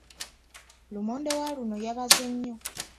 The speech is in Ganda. Lumonde wa luno yabaze nnyo.